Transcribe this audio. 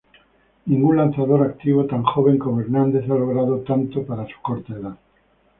Ningún lanzador activo tan joven como Hernández ha logrado tanto para su corta edad.